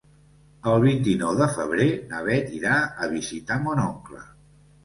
El vint-i-nou de febrer na Bet irà a visitar mon oncle.